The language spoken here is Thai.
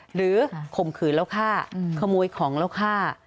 ข่มขืนแล้วฆ่าขโมยของแล้วฆ่า